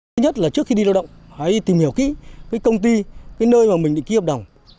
thứ nhất là trước khi đi lao động hãy tìm hiểu kỹ cái công ty cái nơi mà mình định ký hợp đồng